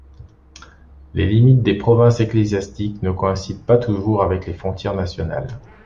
Les limites des provinces ecclésiastiques ne coïncident pas toujours avec les frontières nationales.